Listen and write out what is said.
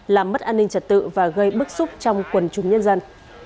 làm mất an ninh trật tự và gây bức xúc trong quần chúng nhân dân